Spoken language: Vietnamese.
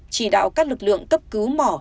chỉ đạo các lực lượng cấp cứu mỏ